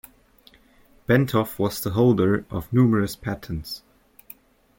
Bentov was the holder of numerous patents.